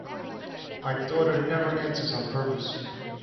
My daughter never answers, on purpose.